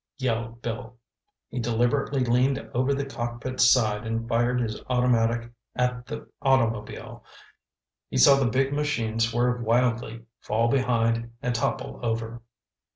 yelled Bill. He deliberately leaned over the cockpit's side and fired his automatic at the automobile. He saw the big machine swerve wildly, fall behind and topple over.